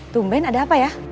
tumpain ada apa ya